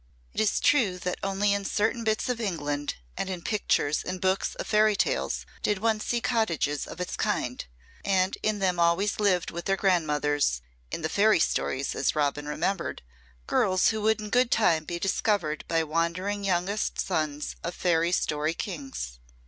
It is true that only in certain bits of England and in pictures in books of fairy tales did one see cottages of its kind, and in them always lived with their grandmothers in the fairy stories as Robin remembered girls who would in good time be discovered by wandering youngest sons of fairy story kings.